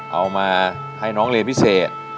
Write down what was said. เอามาให้น้องเรียนพิเศษ